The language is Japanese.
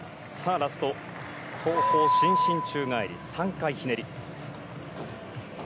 ラスト後方伸身宙返り３回ひねり。